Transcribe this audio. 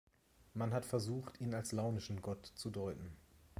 Man hat versucht, ihn als launischen Gott zu deuten.